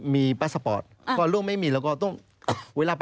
กลับด้วยกันเลยครับ